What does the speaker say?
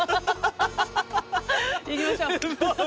行きましょう。